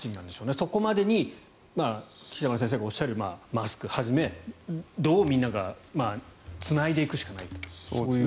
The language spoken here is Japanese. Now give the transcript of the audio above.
そこまでに北村先生がおっしゃるマスクをはじめどう、みんながつないでいくしかないという。